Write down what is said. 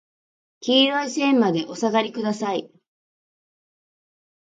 黄色い線までお下がりください。